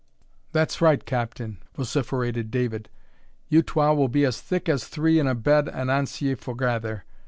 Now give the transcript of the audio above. "That's right, Captain," vociferated David; "you twa will be as thick as three in a bed an ance ye forgather.